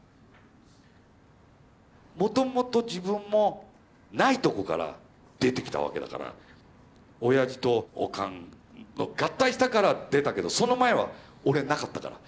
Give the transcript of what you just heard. もともと自分もないとこから出てきたわけだからオヤジとオカンの合体したから出たけどその前は俺なかったから。